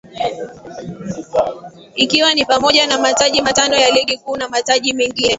Ikiwa ni pamoja na mataji matano ya ligi kuu na mataji mengine